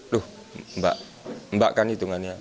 loh mbak kan hitungannya